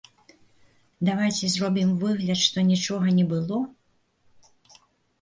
Давайце зробім выгляд, што нічога не было?